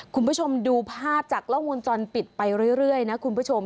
คุณผู้ชมดูภาพจากกล้องวงจรปิดไปเรื่อยนะคุณผู้ชม